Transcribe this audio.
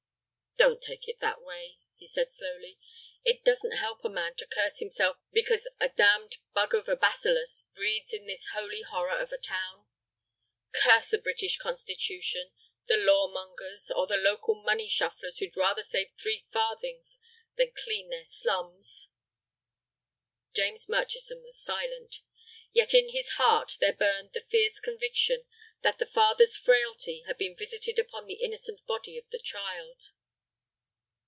"Don't take it that way," he said, slowly; "it doesn't help a man to curse himself because a damned bug of a bacillus breeds in this holy horror of a town. Curse the British Constitution, the law mongers, or the local money shufflers who'd rather save three farthings than clean their slums." James Murchison was silent. Yet in his heart there burned the fierce conviction that the father's frailty had been visited upon the innocent body of the child.